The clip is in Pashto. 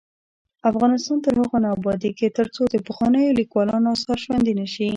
افغانستان تر هغو نه ابادیږي، ترڅو د پخوانیو لیکوالانو اثار ژوندي نشي.